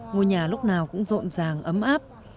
ngôi nhà lúc nào cũng rộn ràng ấm áp